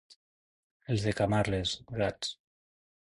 Els de Camarles, gats.